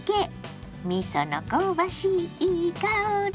みその香ばしいいい香り！